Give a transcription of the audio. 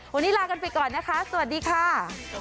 วันนี้ลากันไปก่อนนะคะสวัสดีค่ะ